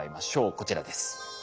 こちらです。